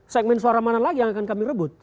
segmen suara mana lagi yang akan kami rebut